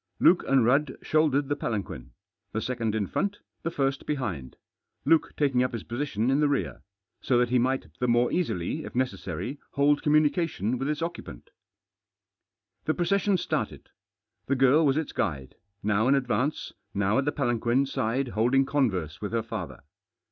Luke and Rudd shouldered the palanquin ; the second in front, the first behind— Luke takirig U£ hfe "position in the rear, so that he might the HiOrg easily, if ttecessafy, hold communication with its bceujpant. The procession started. The girl Was its guide, now ih advance, how at the palanquin side holding converse with her father.